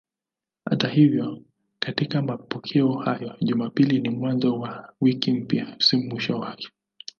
Hata hivyo katika mapokeo hayo Jumapili ni mwanzo wa wiki mpya, si mwisho wake.